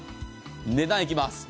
値段、いきます。